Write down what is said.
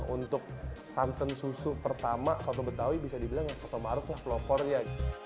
untuk santan susu pertama soto betawi bisa dibilang soto marut lah pelopor ya